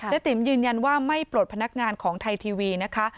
ติ๋มยืนยันว่าไม่ปลดพนักงานของไทยทีวีนะคะ